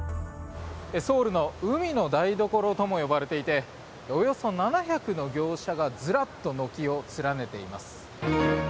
ソウルの海の台所とも呼ばれていておよそ７００の業者がずらっと軒を連ねています。